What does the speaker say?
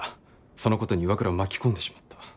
そのことに岩倉を巻き込んでしまった。